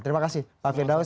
terima kasih pak firdaus